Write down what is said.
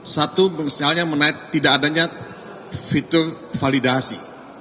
satu misalnya menaik tidak adanya fitur validasi